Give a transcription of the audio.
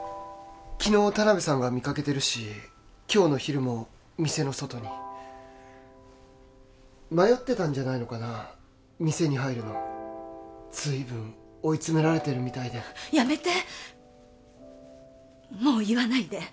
昨日田辺さんが見かけてるし今日の昼も店の外に迷ってたんじゃないのかな店に入るの随分追い詰められてるみたいでやめて！